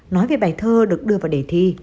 nói về bài thơ được đưa vào đề thi